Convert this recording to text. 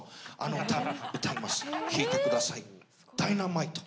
聴いてください『Ｄｙｎａｍｉｔｅ』。